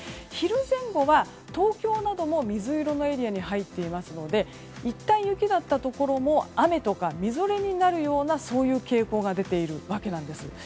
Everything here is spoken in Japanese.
お昼前後は東京なども水色のエリアに入っていますのでいったん雪だったところも雨とかみぞれになるようなそういう傾向が出ているわけなんです。